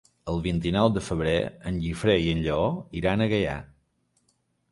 El vint-i-nou de febrer en Guifré i en Lleó iran a Gaià.